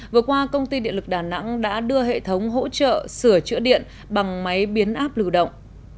vừa qua công ty điện lực đà nẵng đã đưa hệ thống hỗ trợ sửa chữa điện bằng máy biến áp lưu động